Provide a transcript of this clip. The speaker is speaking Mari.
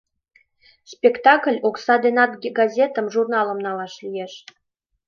Спектакль окса денат газетым, журналым налаш лиеш.